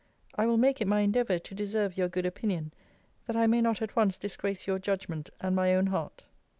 I will make it my endeavour to deserve your good opinion, that I may not at once disgrace your judgment, and my own heart.